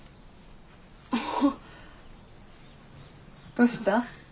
どうした？